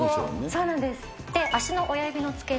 そうなんです。